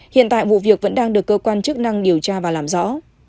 hiện tại vụ việc vẫn đang được cơ quan chức năng điều tra và làm rõ